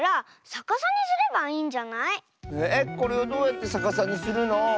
えっこれをどうやってさかさにするの？